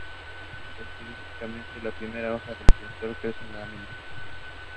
The bulb is decorated with three scenes from the "Historia Caroli Magni".